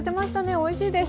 おいしいです。